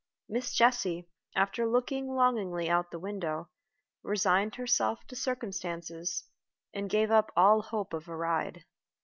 Miss Jessie, after looking longingly out of the window, resigned herself to circumstances, and gave up all hope of a ride.